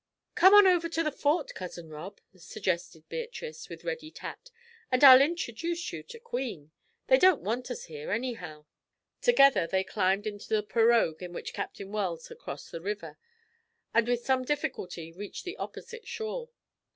"Come on over to the Fort, Cousin Rob," suggested Beatrice, with ready tact, "and I'll introduce you to Queen. They don't want us here, anyhow." Together they climbed into the pirogue in which Captain Wells had crossed the river, and with some difficulty reached the opposite shore.